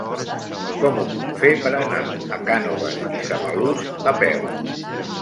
Com ho puc fer per anar a Cànoves i Samalús a peu?